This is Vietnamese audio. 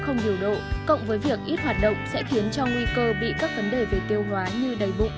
không điều độ cộng với việc ít hoạt động sẽ khiến cho nguy cơ bị các vấn đề về tiêu hóa như đầy bụng